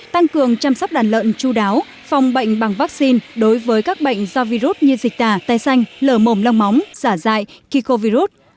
tăng cường chăm sóc đàn lợn chú đáo phòng bệnh bằng vaccine đối với các bệnh do virus như dịch tà tai xanh lở mồm lông móng giả dại kỳ khô virus